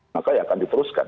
maka ya akan diteruskan